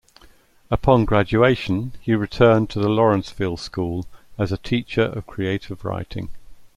Upon graduation, he returned to the Lawrenceville School as a teacher of creative writing.